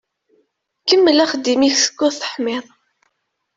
Kemmel axeddim-ik skud teḥmiḍ.